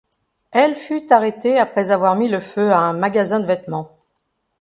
Elle fut arrêtée après avoir mis le feu à un magasin de vêtements.